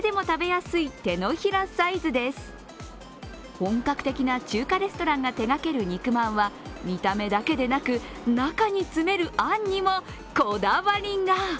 本格的な中華レストランが手がける肉まんは見た目だけではなく中に詰めるあんにもこだわりが。